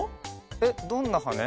えっどんなはね？